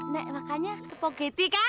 nek makanya spaghetti kan